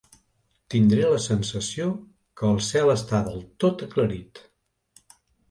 Tindré la sensació que el cel està del tot aclarit.